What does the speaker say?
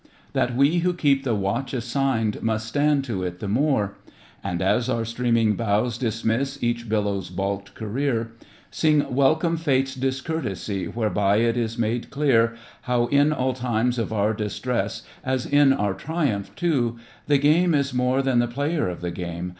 That we who keep the watch assigned Must stand to it the more; 81 82 THE FRINGES OF THE FLEET And as our streaming bows dismiss Each billow's baulked career. Sing welcome Fate's discourtesy Whereby it is made clear How in all time of our distress As in our triumph too. The game is more than the player of the game.